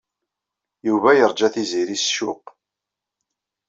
Yuba yerǧa Tiziri s ccuq.